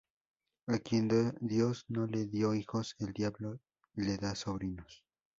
A quien Dios no le dio hijos, el diablo le da sobrinos